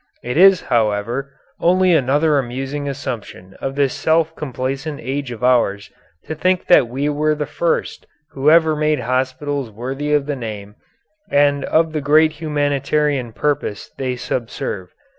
It is, however, only another amusing assumption of this self complacent age of ours to think that we were the first who ever made hospitals worthy of the name and of the great humanitarian purpose they subserve.